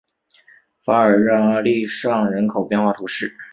法尔日阿利尚人口变化图示